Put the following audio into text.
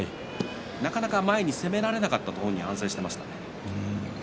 なかなか前に攻められなかったと反省していましたね。